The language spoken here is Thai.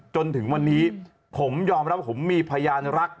จนถึงวันนี้ผมยอมรับว่าผมมีพยานรัก